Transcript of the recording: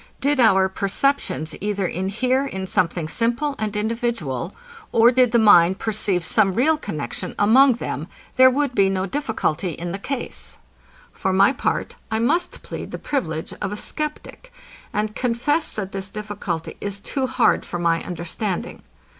Did our perceptions either inhere in something simple and individual, or did the mind perceive some real connexion among them, there would be no difficulty in the case. For my part, I must plead the privilege of a sceptic, and confess, that this difficulty is too hard for my understanding.